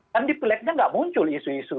kan di pilegnya nggak muncul isu isu